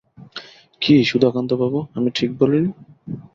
কি সুধাকান্তবাবু, আমি ঠিক বলি নি?